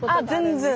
全然。